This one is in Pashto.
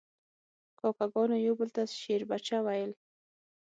کاکه ګانو یو بل ته شیربچه ویل.